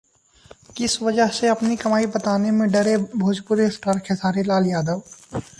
किस वजह से अपनी कमाई बताने में डरे भोजपुरी स्टार खेसारीलाल यादव?